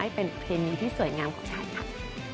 เป็นเพลงนี้ที่สวยงามของชายครับ